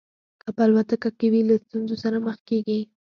که په الوتکه کې وي له ستونزو سره مخ کېږي.